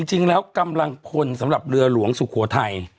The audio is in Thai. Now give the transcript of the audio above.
จริงแล้วกำลังพลสำหรับเรือหลวงสุโขทัย